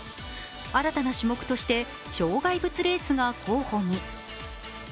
新たな種目として障害物レースが候補に。